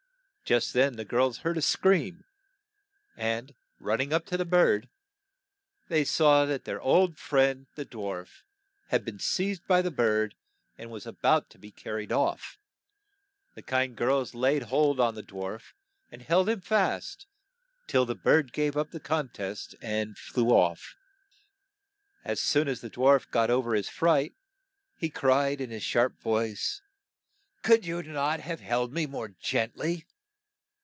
Just then the girls heard a scream, and run ning up to the bird, they saw that their old friend, the dwarf, had been seized by the bird, and was a bout to be car ried off. The kind girls laid hold on the dwarf, and held him fast till the bird gave up the con test and flew oiT. As soon as the dwarf got o ver his fright, he cried in his sharp voice '' Could you not have held me more gent ly